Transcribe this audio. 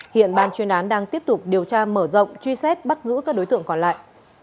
hiện ban chuyên án đang tiếp tục điều tra mở rộng truy xét bắt giữ các đối tượng còn lại